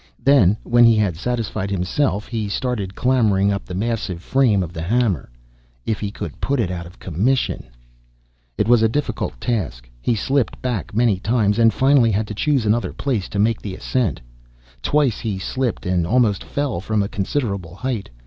Then, when he had satisfied himself, he started clambering up the massive frame of the hammer. If he could put it out of commission! It was a difficult task. He slipped back many times, and finally had to choose another place to make the ascent. Twice he slipped and almost fell from a considerable height.